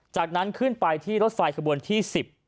จากนั้นขึ้นไปที่รถไฟขบวนที่๑๐